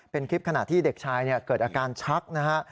เป็นคลิปขณะที่เด็กชายเกิดอาการชักนะฮะ